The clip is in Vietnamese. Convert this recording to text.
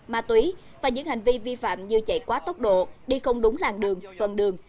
ma túy và những hành vi vi phạm như chạy quá tốc độ đi không đúng làng đường phần đường